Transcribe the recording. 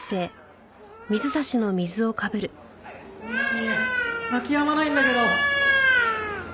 南泣きやまないんだけど。